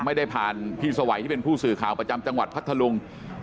ไม่ได้ผ่านพี่สวัยที่เป็นผู้สื่อข่าวประจำจังหวัดพัทธลุง